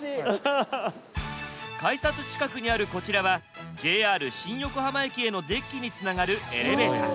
改札近くにあるこちらはＪＲ新横浜駅へのデッキにつながるエレベーター。